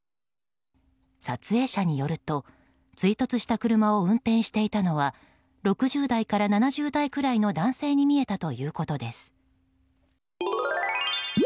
撮影者によると追突した車を運転していたのは６０代から７０代くらいの男性に見えたということです。